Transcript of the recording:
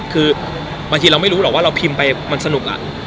คือบางทีเราไม่รู้หรอกว่าเราพิมพ์ไปมันสนุก